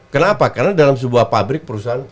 kenapa karena dalam sebuah pabrik perusahaan